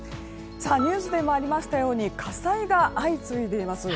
ニュースでもありましたように火災が相次いでいます。